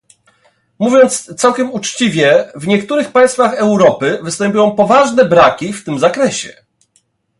Mówiąc całkiem uczciwie, w niektórych państwach Europy występują poważne braki w tym zakresie